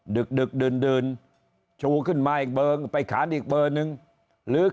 ดึกดึกดื่นชูขึ้นมาอีกเบอร์ไปขานอีกเบอร์นึงหรือ